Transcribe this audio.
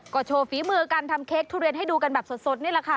ก็โชว์ฝีมือการทำเค้กทุเรียนให้ดูกันแบบสดนี่แหละค่ะ